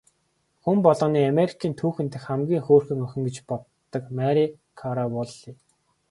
Хүн болгоны Америкийн түүхэн дэх хамгийн хөөрхөн охин гэж боддог Мари Караволли.